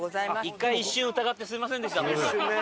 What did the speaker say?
１回一瞬疑ってすみませんでした。